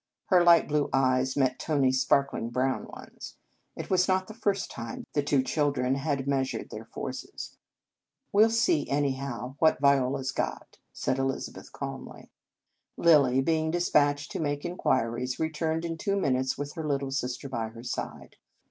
Her light blue eyes met Tony s sparkling brown ones. It was not the first time the two children had 129 In Our Convent Days measured their forces. " We 11 see, anyhow, what Viola s got," said Eliza beth calmly. Lilly, being despatched to make in quiries, returned in two minutes with her little sister by her side.